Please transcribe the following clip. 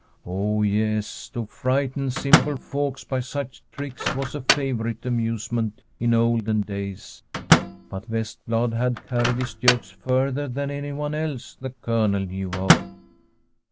Oh yes, to frighten simple folks by such tricks was a favourite amusement in olden days; but Vestblad had carried his jokes further than any one else the Colonel knew of.